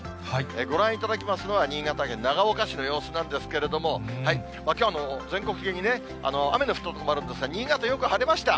ご覧いただきますのは、新潟県長岡市の様子なんですけれども、きょうは全国的に雨の降ったとこもあるんですが、新潟、よく晴れました。